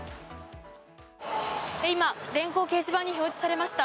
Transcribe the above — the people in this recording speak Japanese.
今、電光掲示板に表示されました。